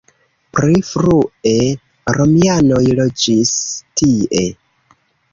Pri frue romianoj loĝis tie.